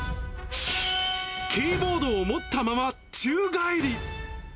キーボードを持ったまま宙返り。